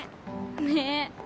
ねえ。